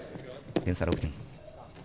点差６点。